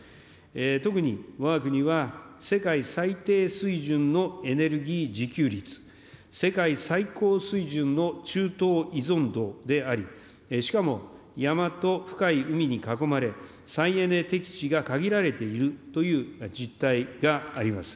特に、わが国は世界最低水準のエネルギー自給率、世界最高水準の中東依存度であり、しかも、山と深い海に囲まれ、再エネ適地が限られているという実態があります。